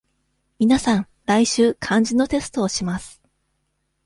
皆さん、来週漢字のテストをします。